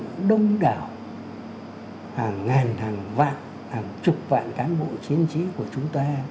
một cái bộ phận đông đảo hàng ngàn hàng vạn hàng chục vạn cán bộ chiến trí của chúng ta